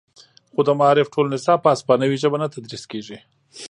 خو د معارف ټول نصاب په هسپانوي ژبه نه تدریس کیږي